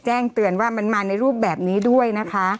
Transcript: แจ้งเตือนว่ามันมาในรูปแบบนี้ด้วยนะคะ